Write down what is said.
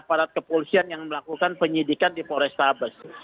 aparat kepolisian yang melakukan penyidikan di polrestabes